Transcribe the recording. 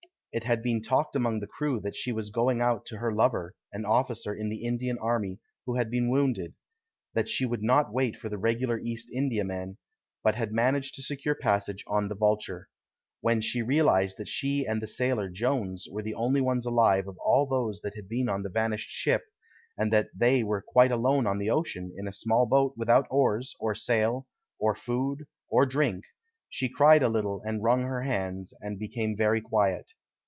It had been talked among the crew that she was going out to her lover, an officer in the Indian Army who had been wounded; that she would not wait for the regular East Indiaman, but had managed to secure passage on the Vulture. When she realized that she and the sailor, Jones, were the only ones alive of all those that had been on the vanished ship, and that they were quite alone on the ocean, in a small boat, without oars, or sail, or food, or drink, she cried a little and wrung her hands and became very quiet.